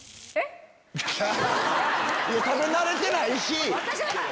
食べ慣れてないし。